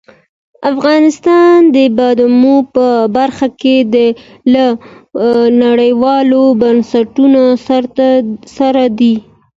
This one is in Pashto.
افغانستان د بادامو په برخه کې له نړیوالو بنسټونو سره دی.